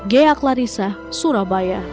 geyak larissa surabaya